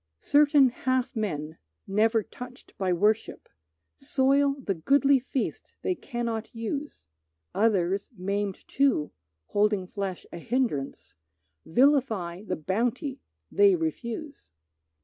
Certain half men, never touched by worship, Soil the goodly feast they cannot use; Others, maimed too, holding flesh a hindrance, Vilify the bounty they refuse.